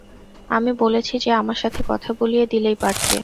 আমি বলেছি যে, আমার সাথে কথা বলিয়ে দিলেই পারতে।